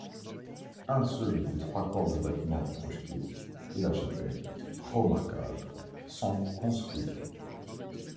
Un seul des trois corps de bâtiment projetés et la chapelle, remarquable, sont construits.